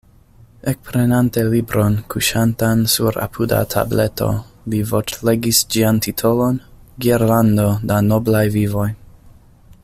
Ekprenante libron, kuŝantan sur apuda tableto, li voĉlegis ĝian titolon: „Girlando da noblaj vivoj.